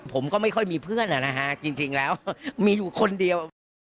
ผมก็ไม่ค่อยมีเพื่อนนะฮะจริงแล้วมีอยู่คนเดียว